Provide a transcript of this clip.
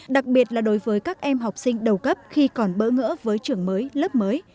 đặc biệt là đối với các em học sinh đầu cấp khi còn bỡ ngỡ với trường mới lớp mới